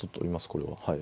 これは。